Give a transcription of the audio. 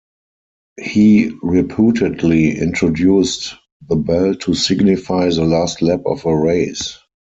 He reputedly introduced the bell to signify the last lap of a race.